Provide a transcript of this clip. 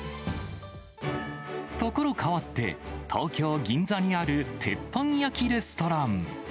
ところかわって、東京・銀座にある鉄板焼きレストラン。